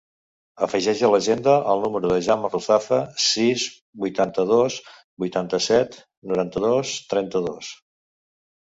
Afegeix a l'agenda el número del Jaume Ruzafa: sis, vuitanta-dos, vuitanta-set, noranta-dos, trenta-dos.